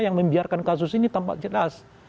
yang membiarkan kasus ini tampak jelas